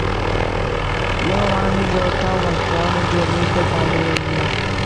Giovanni Rota was born into a musical family in Milan.